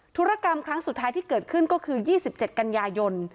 ธุรกรรมครั้งสุดท้ายที่เกิดขึ้นก็คือยี่สิบเจ็ดกัญญายน